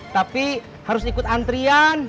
tapi harus ikut antrian